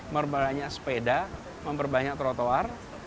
memperbanyak sepeda memperbanyak trotoar